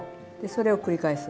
それを繰り返す。